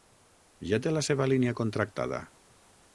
Ja té la seva línia contractada.